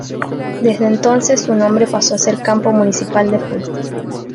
Desde entonces su nombre pasó a ser Campo Municipal de Fútbol.